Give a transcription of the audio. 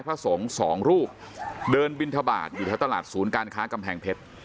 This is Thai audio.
พระสงฆ์สองรูปเดินบินทบาทอยู่แถวตลาดศูนย์การค้ากำแพงเพชร